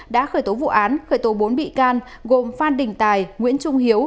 đã khởi tố vụ án khởi tố bốn bị can gồm phan đình tài nguyễn trung hiếu